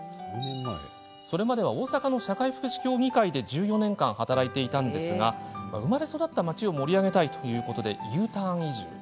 それまでは大阪の社会福祉協議会で１４年間働いていましたが生まれ育った町を盛り上げたいとＵターン移住。